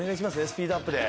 スピードアップで。